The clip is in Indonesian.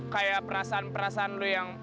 kayak perasaan perasaan lu yang